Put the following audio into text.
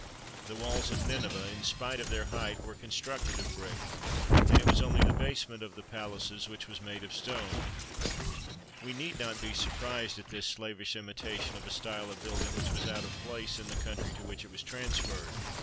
The walls of Nineveh, in spite of their height, were constructed of brick, and it was only the basement of the palaces which was made of stone. We need not be surprised at this slavish imitation of a style of building which was out of place in the country to which it was transferred.